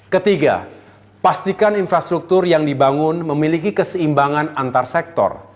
ketiga pastikan infrastruktur yang dibangun memiliki keseimbangan antar sektor